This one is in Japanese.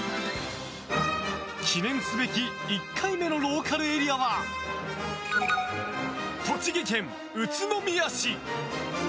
記念すべき１回目のローカルエリアは栃木県宇都宮市！